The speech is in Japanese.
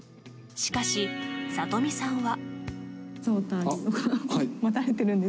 しかし、里見さんは。